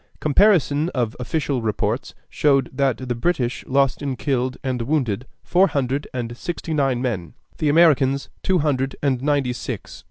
Comparison of official reports showed that the British lost in killed and wounded four hundred and sixty nine men; the Americans, two hundred and ninety six.